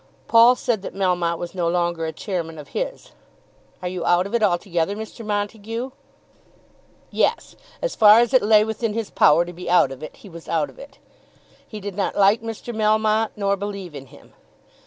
Paul said that Melmotte was no longer a chairman of his. "Are you out of it altogether, Mr. Montague?" Yes; as far as it lay within his power to be out of it, he was out of it. He did not like Mr. Melmotte, nor believe in him.